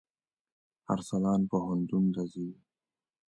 ارسلان پوهنتون ته ځي.